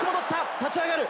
立ち上がる。